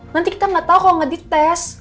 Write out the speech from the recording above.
nanti kita nggak tahu kalau nggak dites